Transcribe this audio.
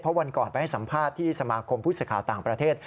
วันก่อนไปให้สัมภาษณ์ที่สมาคมผู้สื่อข่าวต่างประเทศ